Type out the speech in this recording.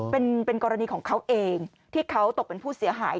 เป็นกรณีของเขาเองที่เขาตกเป็นผู้เสียหาย